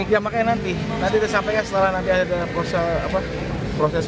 ya masih saksi semua